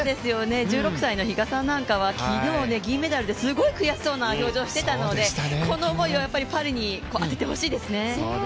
１６歳の比嘉さんなんかは昨日、銀メダルですごい悔しそうな表情をしていたので、この思いはやっぱりパリに当ててほしいですね。